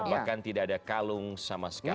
bahkan tidak ada kalung sama sekali